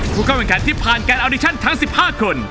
ผู้เข้าแข่งขันที่ผ่านการอัลดิชั่นทั้ง๑๕คน